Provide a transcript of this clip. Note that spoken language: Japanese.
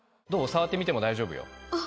触ってみても大丈夫よ。